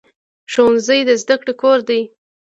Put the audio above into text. ښوونځی د زده کړې کور دی